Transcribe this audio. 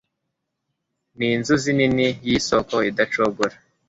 Ninzuzi nini yisoko idacogora